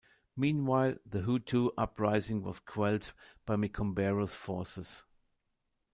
Meanwhile, the Hutu uprising was quelled by Micombero's forces.